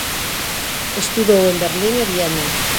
Estudou en Berlín e Viena.